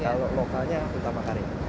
iya kalau lokalnya utama pakarnya